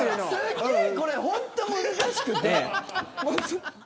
これ本当に難しくて。